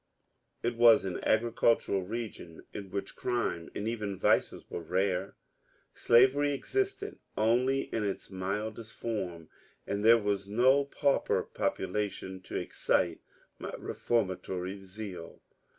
It was an agricultural region, in which crime and even vices were rare. Slavery existed only in its mildest form, and there was no pauper population to excite my reformatory zeal.